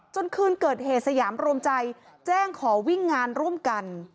คืนเกิดเหตุสยามรวมใจแจ้งขอวิ่งงานร่วมกัน